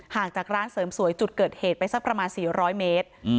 จากร้านเสริมสวยจุดเกิดเหตุไปสักประมาณ๔๐๐เมตร